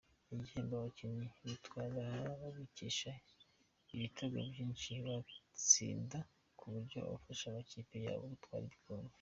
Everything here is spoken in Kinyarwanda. Ibihembo abakinnyi batwara babikesha ibitego byinshi batsinda n’uburyo bafasha amakipe yabo gutwara ibikombe.